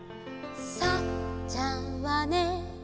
「サッちゃんはね」